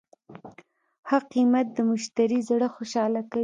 ښه قیمت د مشتری زړه خوشحاله کوي.